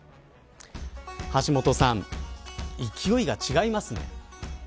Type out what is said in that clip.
橋下さん勢いが違いますね。